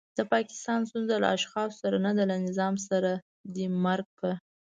د پاکستان ستونزه له اشخاصو سره نده له نظام سره دی. مرګ په